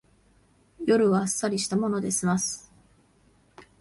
夜はあっさりしたもので済ます